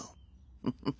フフフフ。